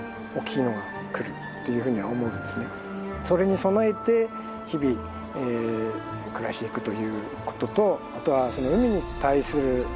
それに備えて日々暮らしていくということとあとは海に対する何というんでしょうね